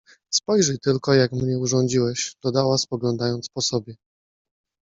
Spojrzyj tylko, jak mnie urządziłeś! — dodała, spoglądając po sobie.